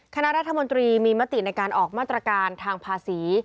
คณะรัฐมนตรีมีมติในการออกมาตรการทางภาษี